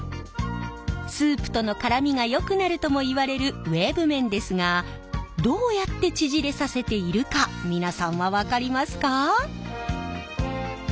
スープとのからみがよくなるともいわれるウェーブ麺ですがどうやって縮れさせているか皆さんは分かりますか？